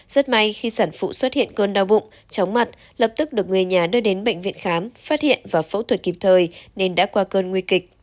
rất may khi sản phụ xuất hiện cơn đau bụng chóng mặt lập tức được người nhà đưa đến bệnh viện khám phát hiện và phẫu thuật kịp thời nên đã qua cơn nguy kịch